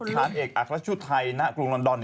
การเอกอัครชุทรไทยในกรุงลอนดอน